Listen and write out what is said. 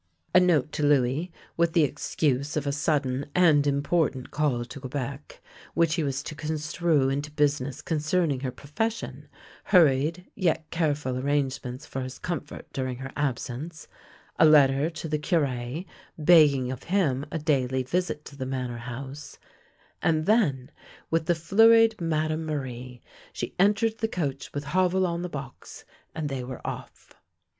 A note to Louis, with the excuse of a sudden and important call to Quebec, which he was to construe into business concerning her profession; hurried yet careful arrange ments for his comfort during her absence; a letter to the Cure begging of him a daily visit to the Manor House; and then, with the flurried Madame Marie, she entered the coach with Havel on the box, and they were ofY.